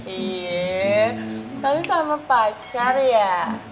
iya tapi sama pacar ya